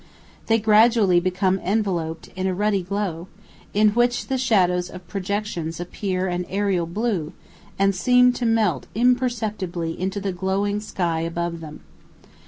They gradually become enveloped in a ruddy glow, in which the shadows of projections appear an aerial blue, and seem to melt imperceptibly into the glowing sky above them.